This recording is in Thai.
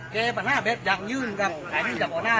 แกปรนะแบบอยากยืนกับแห่งนี้จากข้อหน้า